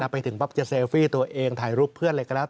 ไปถึงปั๊บจะเซลฟี่ตัวเองถ่ายรูปเพื่อนอะไรก็แล้ว